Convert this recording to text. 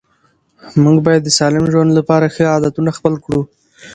موږ باید د سالم ژوند لپاره ښه عادتونه خپل کړو